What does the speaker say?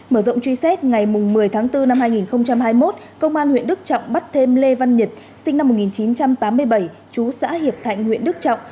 mở rộng truy xét ngày một mươi tháng bốn năm hai nghìn hai mươi một công an huyện đức trọng bắt thêm lê văn nhật sinh năm một nghìn chín trăm tám mươi bảy chú xã hiệp thạnh huyện đức trọng